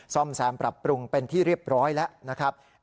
ซ่อมแซมปรับปรุงเป็นที่เรียบร้อยแล้วนะครับ